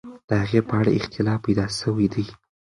د هغې په اړه اختلاف پیدا سوی دی.